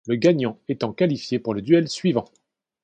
Le gagnant étant qualifié pour le duel suivant.